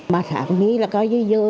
mà tháng này là cao dư dơ